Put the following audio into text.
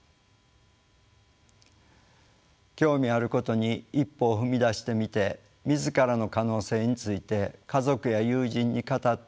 興味あることに一歩を踏み出してみて自らの可能性について家族や友人に語って聞いてもらう。